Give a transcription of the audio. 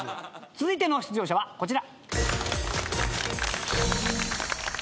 続いての出場者はこちら。